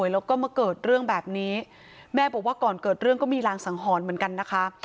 แล้วก็มาเกิดเรื่องแบบนี้แม่บอกว่าก่อนเกิดเรื่องก็มีรางสังหรณ์เหมือนกันนะคะ